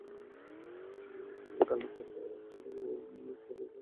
এত শুকিয়ে গেছেন যে, গালের চামড়া ঠেলে চোয়ালের হাড়গুলো বীভৎসভাবে জেগে উঠেছে।